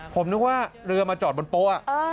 ผมนึกว่าเรือมาจอดบนโป๊ะ